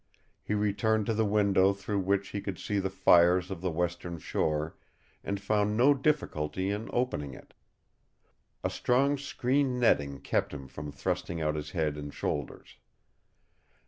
He returned to the window through which he could see the fires on the western shore, and found no difficulty in opening it. A strong screen netting kept him from thrusting out his head and shoulders.